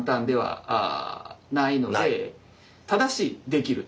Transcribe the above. ただしできると。